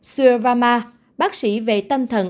sue varma bác sĩ về tâm thần